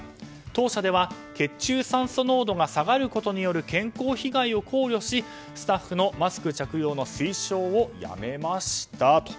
当社では血中酸素濃度が下がることによる健康被害を考慮し、スタッフのマスク着用の推奨をやめましたと。